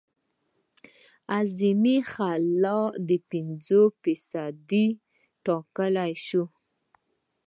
اعظمي خلا پنځه فیصده ټاکل شوې ده